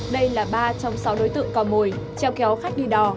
đây là ba trong sáu đối tượng cò mồi treo kéo khách đi đò